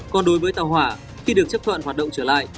còn đối với tàu hỏa khi được chấp thuận hoạt động trở lại